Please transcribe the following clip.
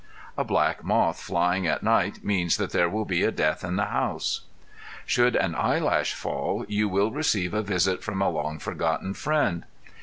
A black moth flying at night means that there will be a death in the house. Should an eyelash fall, you will receive a visit from a long forgotten friend.